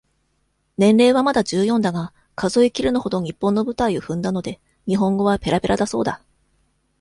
年齢はまだ十四だが、数えきれぬほど、日本の舞台を踏んだので、日本語はぺらぺらだそうだ。